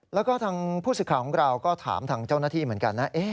แล้วก็ทางผู้สื่อข่าวของเราก็ถามทางเจ้าหน้าที่เหมือนกันนะ